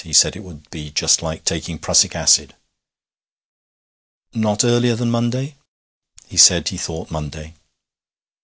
He said it would be just like taking prussic acid.' 'Not earlier than Monday?' 'He said he thought Monday.'